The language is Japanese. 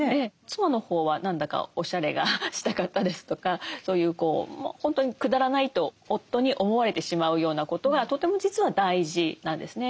妻の方は何だかおしゃれがしたかったですとかそういう本当にくだらないと夫に思われてしまうようなことがとても実は大事なんですね。